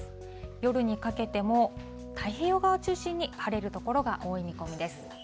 夜にかけても、太平洋側を中心に晴れる所が多い見込みです。